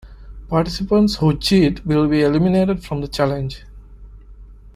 Participants who cheat will be eliminated from the challenge.